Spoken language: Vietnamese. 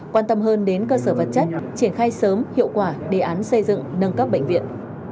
quan tâm hơn đến cơ sở vật chất triển khai sớm hiệu quả đề án xây dựng nâng cấp bệnh viện